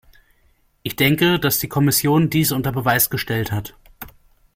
Ich denke, dass die Kommission dies unter Beweis gestellt hat.